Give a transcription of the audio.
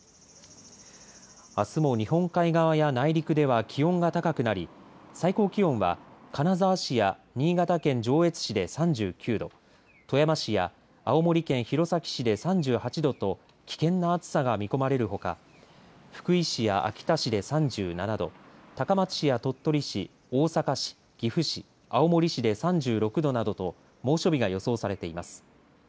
あすも日本海側や内陸では気温が高くなり最高気温は金沢市や新潟県上越市で３９度富山市や青森県弘前市で３８度と危険な暑さが見込まれるほか福井市や秋田市で３７度高松市や鳥取市、大阪市岐阜市、青森市で３６度などと猛暑日が予想されています。